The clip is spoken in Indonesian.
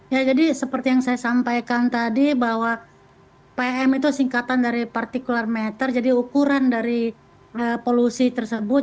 ya jadi seperti yang saya sampaikan tadi bahwa pm itu singkatan dari partikular meter jadi ukuran dari polusi tersebut